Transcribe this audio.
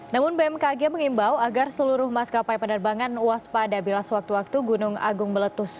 namun bmkg mengimbau agar seluruh maskapai penerbangan waspada bila sewaktu waktu gunung agung meletus